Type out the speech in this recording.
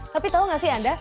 tapi tau gak sih anda